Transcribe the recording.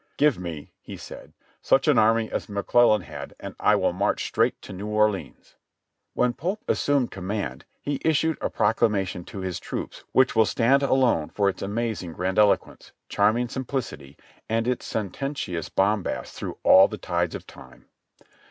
"Give me," he said, "such an army as McClellan had and I will march straight to New Orleans."* When Pope assumed command he issued a proclamation to his troops which will stand alone for its amazing grandiloquence, charming simplicity, and its sententious bombast through all the tides of time.